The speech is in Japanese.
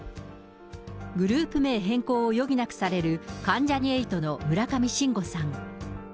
グループ名変更を余儀なくされる関ジャニ∞の村上信五さん。